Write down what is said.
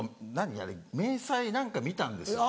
あれ明細何か見たんですよね。